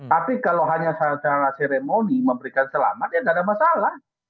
tapi kalau hanya seremoni memberikan selamat ya tidak ada masalah